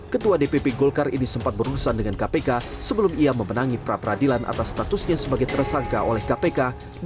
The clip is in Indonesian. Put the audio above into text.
ketua dpp golkar ini sempat berurusan dengan kpk sebelum ia memenangi pra peradilan atas statusnya sebagai tersangka oleh kpk